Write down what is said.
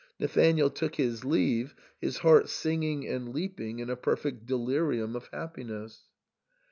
Nathanael took his leave, his heart singing and leaping in a perfect delirium of happiness.